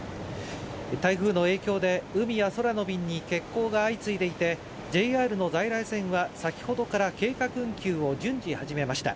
台風の影響で海や空の便に欠航が相次いでいてＪＲの在来線は先ほどから計画運休を順次始めました。